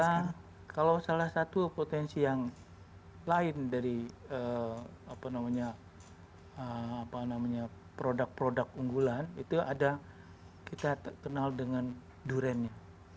karena kalau salah satu potensi yang lain dari produk produk unggulan itu ada kita kenal dengan duriannya